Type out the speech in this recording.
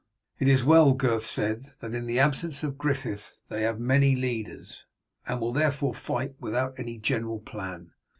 "It is well," Gurth said, "that in the absence of Griffith they have many leaders, and will therefore fight without any general plan.